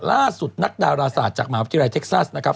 นักดาราศาสตร์จากมหาวิทยาลัยเท็กซัสนะครับ